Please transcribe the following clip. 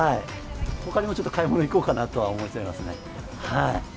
ほかにもちょっと買い物行こうかなとは思っちゃいますね。